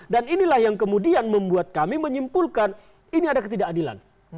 dan inilah yang kemudian membuat kami menyimpulkan ini adalah ketidakadilan